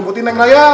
jemputin yang raya